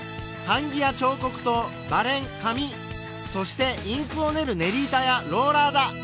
版木や彫刻刀バレン紙そしてインクを練る練り板やローラーだ。